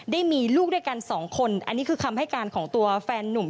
ได้มีลูกด้วยกันสองคนอันนี้คือคำให้การของตัวแฟนนุ่ม